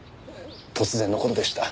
突然の事でした。